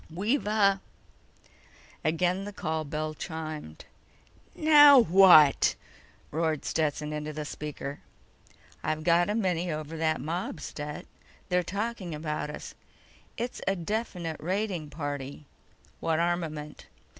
We've a—" Again the call bell chimed. "NOW WHAT?" roared Stetson into the speaker. "I've got a mini over that mob, Stet. They're talking about us. It's a definite raiding party." "What armament?"